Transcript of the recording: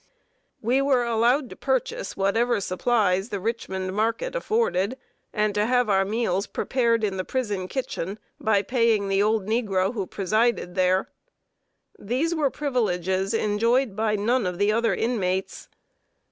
We were allowed to purchase whatever supplies the Richmond market afforded, and to have our meals prepared in the prison kitchen, by paying the old negro who presided there. These were privileges enjoyed by none of the other inmates.